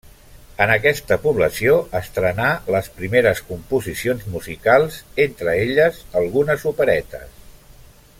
En aquesta població estrenà les primeres composicions musicals, entre elles algunes operetes.